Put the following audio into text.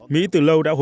mỹ từ lâu đã hối thúc